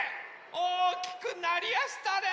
おおきくなりやしたね！